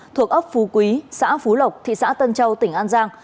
thuộc ấp phú quý xã phú lộc thị xã tân châu tỉnh an giang